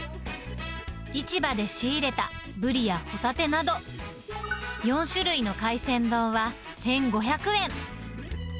市場で仕入れたブリやホタテなど、４種類の海鮮丼は１５００円。